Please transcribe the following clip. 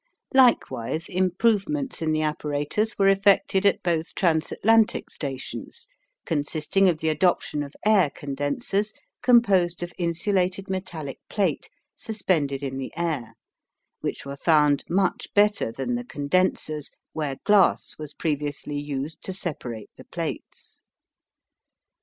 Likewise improvements in the apparatus were effected at both trans Atlantic stations, consisting of the adoption of air condensers composed of insulated metallic plate suspended in the air, which were found much better than the condensers where glass was previously used to separate the plates.